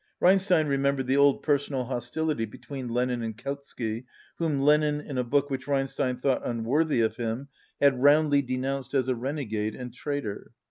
Reinstein remembered the old personal hostility between Lenin and Kautsky, whom Lenin, in a book which Reinstein thought unworthy of him, had roundly denounced as a renegade and traitor.